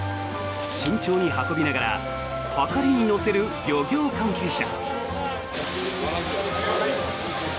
慎重に運びながらはかりに乗せる漁業関係者。